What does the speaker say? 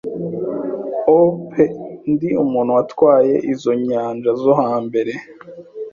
O pe Ndi umuntu watwaye izo nyanja zo hambere